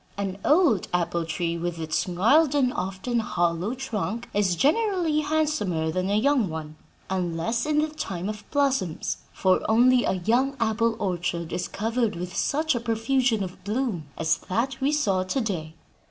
An old apple tree, with its gnarled, and often hollow, trunk, is generally handsomer than a young one, unless in the time of blossoms; for only a young apple orchard is covered with such a profusion of bloom as that we saw to day."